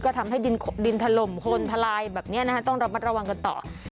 ก็ทำให้ดินถล่มคนทลายแบบนี้ต้องระมัดระวังกันต่อ